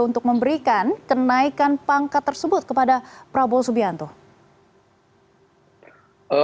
untuk memberikan kenaikan pangkat tersebut kepada prabowo subianto